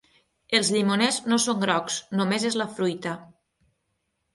Els llimoners no són grocs, només és la fruita.